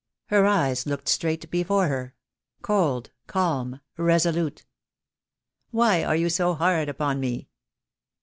Her eyes looked straight before her, cold, calm, resolute. "Why are you so hard upon me?"